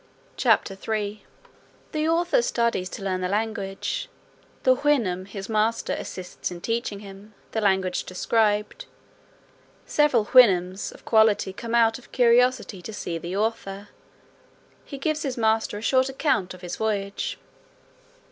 CHAPTER III. The author studies to learn the language. The Houyhnhnm, his master, assists in teaching him. The language described. Several Houyhnhnms of quality come out of curiosity to see the author. He gives his master a short account of his voyage.